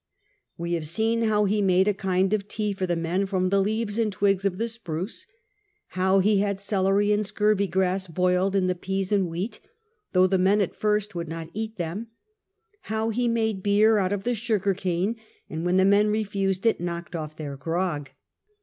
We have seen how ho made a kind of tea for the men from "the leaves and twigs t>f the spruce ; how he had celery and scurvy grass boiled in the peas and wheats though the men at first would not eat them ; how he made beer out of the sugar cane, and when the men refused it knocked off their grog.